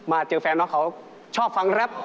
มาเจอแฟนเค้าชอบฟังแรป